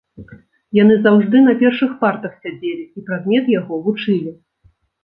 Яны заўжды на першых партах сядзелі і прадмет яго вучылі.